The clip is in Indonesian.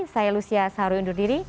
saya lucia saharu undur diri